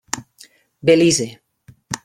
Belize.